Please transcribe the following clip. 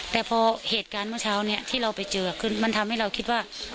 แต่พอเหตุการณ์เมื่อเช้านี้ที่เราไปเจอคือมันทำให้เราคิดว่า